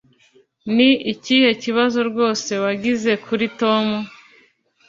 Ni ikihe kibazo rwose wagize kuri Tom